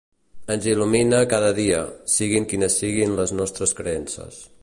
Ens il·lumina cada dia, siguin quines siguin les nostres creences.